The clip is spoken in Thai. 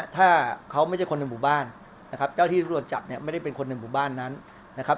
ถ้าเขาไม่ใช่คนในหมู่บ้านนะครับเจ้าที่ตำรวจจับเนี่ยไม่ได้เป็นคนในหมู่บ้านนั้นนะครับ